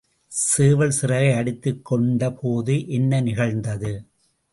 சேவல் சிறகை அடித்துக் கொண்ட போது என்ன நிகழ்ந்தது?